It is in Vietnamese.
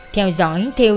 theo dõi thêu